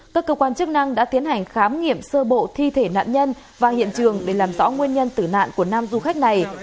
các cơ quan chức năng đã tiến hành khám nghiệm sơ bộ thi thể nạn nhân và hiện trường để làm rõ nguyên nhân tử nạn của nam du khách này